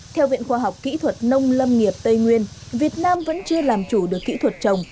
theo viện khoa học kỹ thuật nông lâm nghiệp tây nguyên việt nam vẫn chưa làm chủ được kỹ thuật trồng